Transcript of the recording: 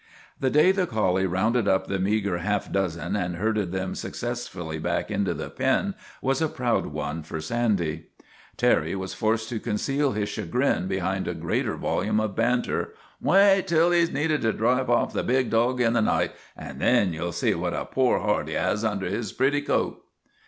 The day the collie rounded up the meager half dozen and herded them successfully back into the pen was a proud one for Sandy. Terry was forced to conceal his chagrin behind a greater volume of banter. " Wait till he 's needed to drive off the big dog in the night, and then ye '11 see what a poor heart he has under his pretty coat."